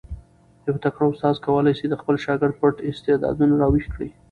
یو تکړه استاد کولای سي د خپل شاګرد پټ استعدادونه را ویښ کړي.